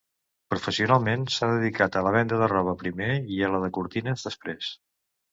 Professionalment, s'ha dedicat a la venda de roba primer i a la de cortines després.